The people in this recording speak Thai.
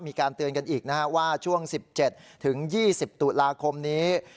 มีการเตือนกันอีกนะฮะว่าช่วง๑๗๒๐ตุลาคมนี้